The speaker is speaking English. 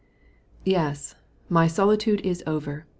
"Yes, my solitude is over.